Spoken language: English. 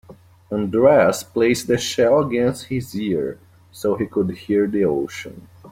Andreas placed the shell against his ear so he could hear the ocean.